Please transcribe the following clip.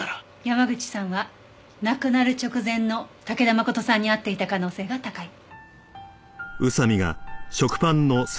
山口さんは亡くなる直前の武田誠さんに会っていた可能性が高い。